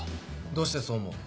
どうしてそう思う？